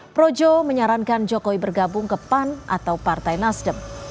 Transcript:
projo menyarankan jokowi bergabung ke pan atau partai nasdem